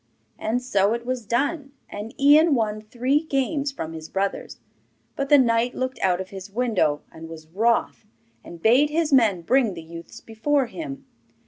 And so it was done, and Ian won three games from his brothers. But the knight looked out of his window, and was wroth; and bade his men bring the youths before him.